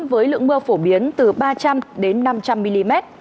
với lượng mưa phổ biến từ ba trăm linh năm trăm linh mm